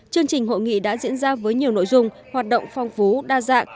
chương trình hội nghị đã diễn ra với nhiều nội dung hoạt động phong phú đa dạng